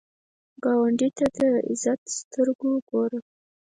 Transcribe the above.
ګاونډي ته د عزت سترګو ګوره